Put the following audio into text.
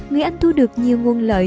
người anh thu được nhiều nguồn lợi